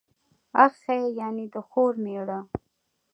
اخښی، يعني د خور مېړه.